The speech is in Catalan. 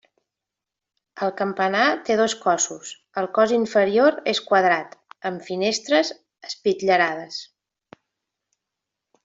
El campanar té dos cossos, el cos inferior és quadrat, amb finestres espitllerades.